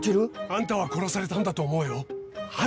あんたは殺されたんだと思うよ。